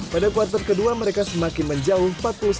pada kuartal kedua mereka semakin menjauh empat puluh satu delapan belas